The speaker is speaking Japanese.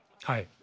はい。